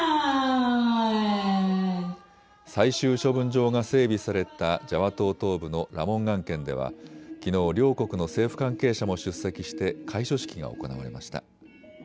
最終処分場が整備されたジャワ島東部のラモンガン県ではきのう両国の政府関係者も出席して開所式が行われました。